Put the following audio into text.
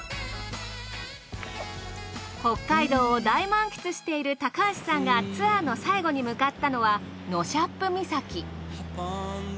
北海道を大満喫している高橋さんがツアーの最後に向かったのはノシャップ岬。